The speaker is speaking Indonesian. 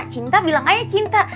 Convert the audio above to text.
cinta bilang aja cinta